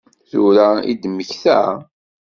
Tura i d-temmekta?